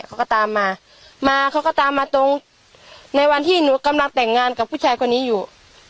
เขาก็ตามมามาเขาก็ตามมาตรงในวันที่หนูกำลังแต่งงานกับผู้ชายคนนี้อยู่